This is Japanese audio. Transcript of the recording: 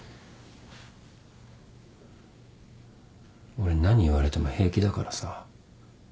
俺何言われても平気だからさ。